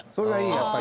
やっぱり。